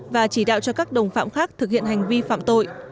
và chỉ đạo cho các đồng phạm khác thực hiện hành vi phạm tội